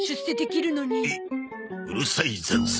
えっうるさいざんす。